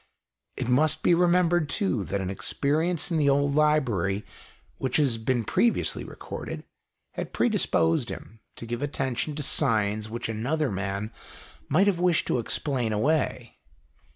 It must be remembered, too, that an experience in the old library, which has been previously recorded, had pre disposed him to give attention to signs which another man might have wished to explain away.